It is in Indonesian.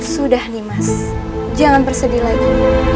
sudah nih mas jangan bersedih lagi